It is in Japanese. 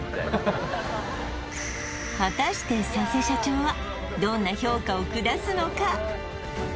果たして佐瀬社長はどんな評価を下すのか？